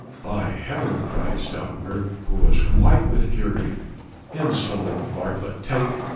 "By heaven," cried Stoutenburg who was white with fury. "Insolent varlet, take...."